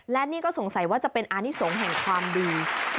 และนี่ก็สงสัยว่าจะเป็นอานิสงฆ์แห่งความดี